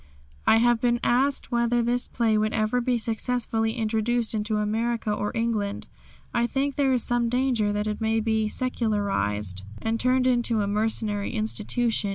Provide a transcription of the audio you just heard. I have been asked whether this play would ever be successfully introduced into America or England. I think there is some danger that it may be secularised and turned into a mercenary institution.